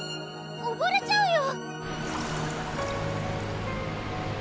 ⁉おぼれちゃうよ！